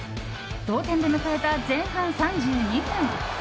同点で迎えた前半３２分。